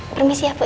permisi ya bu